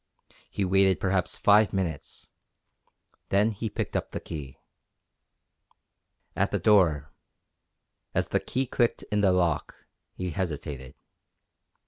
He waited perhaps five minutes. Then he picked up the key. At the door, as the key clicked in the lock, he hesitated.